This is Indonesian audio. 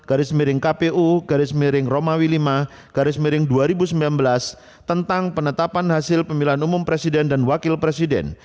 apt enam kpu rw lima dua ribu sembilan belas tentang penetapan hasil pemilihan umum presiden dan wakil presiden